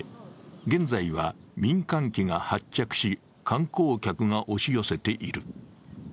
現在は民間機が発着し、観光客が押し寄せている。